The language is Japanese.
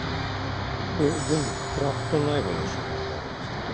これ、全部クラフトナイフの種類になるんですけど。